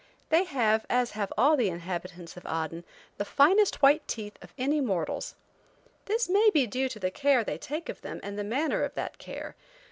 They have, as have all the inhabitants of Aden, the finest white teeth of any mortals. This may be due to the care they take of them and the manner of that care.